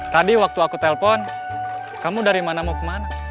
jadi waktu aku telpon kamu dari mana mau kemana